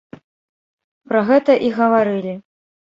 Пра гэта і гаварылі.